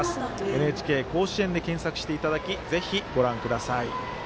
ＮＨＫ甲子園で検索していただきぜひ、ご覧ください。